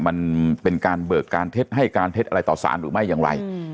มันเป็นการเบิกการเท็จให้การเท็จอะไรต่อสารหรือไม่อย่างไร